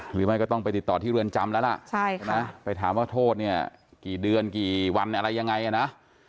หรือไม่ก็ต้องไปติดต่อที่เรือนจำแล้วล่ะไปถามว่าโทษเนี่ยกี่เดือนกี่วันอะไรยังไงนะ